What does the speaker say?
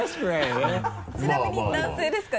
ちなみに男性ですか？